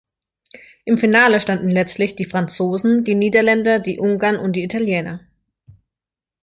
Im Finale standen letztlich die Franzosen, die Niederländer, die Ungarn und die Italiener.